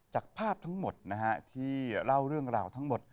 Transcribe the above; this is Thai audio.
จากภาพทั้งหมดนะฮะที่เล่าเรื่องราวทั้งหมด